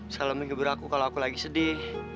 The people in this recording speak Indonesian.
salam menghibur aku kalau aku lagi sedih